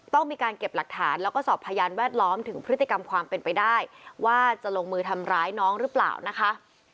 ต้องมีการเก็บหลักฐานแล้วก็สอบพยานแวดล้อมถึงพฤติกรรมความเป็นไปได้ว่าจะลงมือทำร้ายน้องหรือเปล่านะคะ